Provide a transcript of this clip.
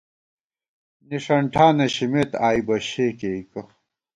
نِݭن ٹھانہ شِمېت آئی بہ شےکېئیکہ